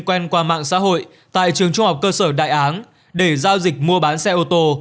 quen qua mạng xã hội tại trường trung học cơ sở đại án để giao dịch mua bán xe ô tô